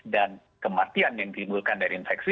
dan kematian yang dimulakan dari infeksi